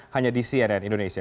hanya di cnn indonesia